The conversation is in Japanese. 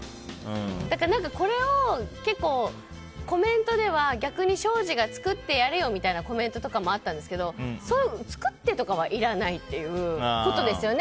だからこれをコメントでは逆に庄司が作ってやれよみたいなコメントとかもあったんですけど作ってとかはいらないってことですよね